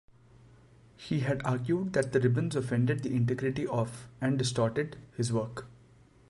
He had argued that the ribbons offended the integrity of, and distorted, his work.